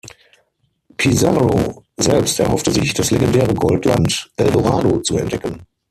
Pizarro selbst erhoffte sich, das legendäre Goldland Eldorado zu entdecken.